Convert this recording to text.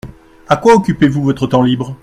À quoi occupez-vous votre temps libre ?